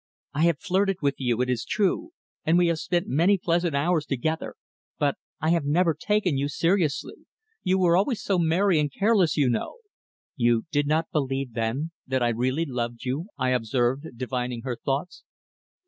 "I have flirted with you, it is true, and we have spent many pleasant hours together, but I have never taken you seriously. You were always so merry and careless, you know." "You did not believe, then, that I really loved you?" I observed, divining her thoughts.